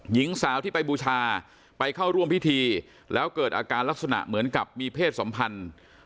หญิงสาวที่ไปบูชาไปเข้าร่วมพิธีแล้วเกิดอาการลักษณะเหมือนกับมีเพศสัมพันธ์